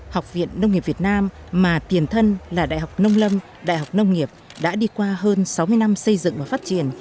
học viện nông nghiệp việt nam mà tiền thân là đại học nông lâm đại học nông nghiệp đã đi qua hơn sáu mươi năm xây dựng và phát triển